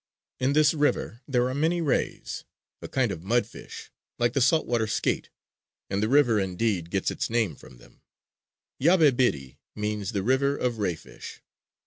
In this river there are many rays, a kind of mud fish like the salt water skate; and the river, indeed, gets its name from them: "Yabebirì" means the "river of ray fish."